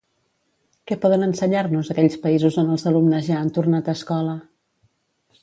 Què poden ensenyar-nos aquells països on els alumnes ja han tornat a escola?